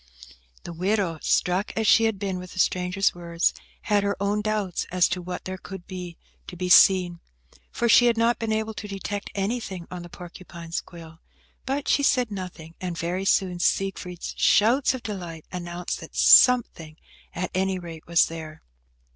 The widow, struck as she had been with the stranger's words, had her own doubts as to what there could be to be seen, for she had not been able to detect anything on the porcupine's quill, but she said nothing, and very soon Siegfried's shouts of delight announced that something, at any rate, was there.